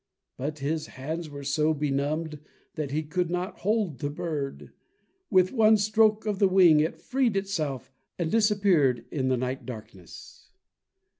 But his hands were so benumbed that he could not hold the bird. With one stroke of the wing, it freed itself and disappeared in the night darkness.